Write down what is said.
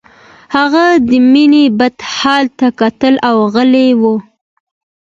هغه د مينې بد حالت ته کتل او غلی و